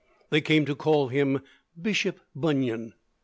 They came to call him Bishop Bunyan.